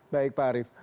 baik pak arief